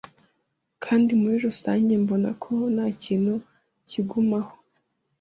Kandi muri rusange mbona ko ntakintu kigumaho